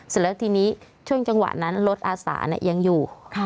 เสร็จแล้วทีนี้ช่วงจังหวะนั้นรถอาสายังอยู่